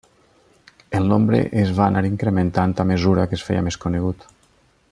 El nombre es va anar incrementant a mesura que es feia més conegut.